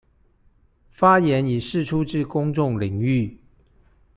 發言以釋出至公眾領域